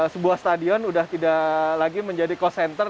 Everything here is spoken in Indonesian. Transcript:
sebuah stadion sudah tidak lagi menjadi cost center